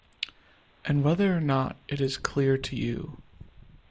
And whether or not it is clear to you